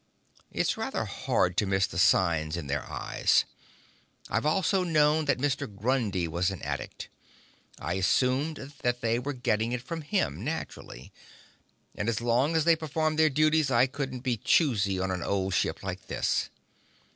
It's rather hard to miss the signs in their eyes. I've also known that Mr. Grundy was an addict. I assumed that they were getting it from him naturally. And as long as they performed their duties, I couldn't be choosy on an old ship like this.